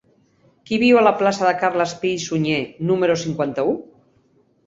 Qui viu a la plaça de Carles Pi i Sunyer número cinquanta-u?